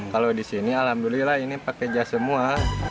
kalau di sini alhamdulillah ini pakai jas semua